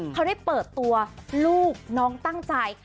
เขาได้เปิดตัวลูกน้องตั้งใจ